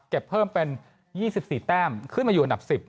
เก็บเพิ่มเป็นยี่สิบสี่แต้มขึ้นมาอยู่อันดับสิบ